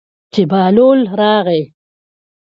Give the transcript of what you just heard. چې بهلول راغی.